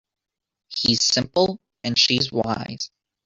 He's simple and she's wise.